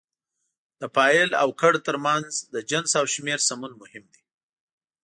د فاعل او کړ ترمنځ د جنس او شمېر سمون مهم دی.